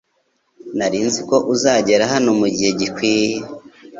Nari nzi ko uzagera hano mugihe gikwiye